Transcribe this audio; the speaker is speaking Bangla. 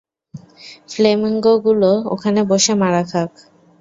ফ্লেমিঙ্গোগুলো ওখানে বসে মারা খাক!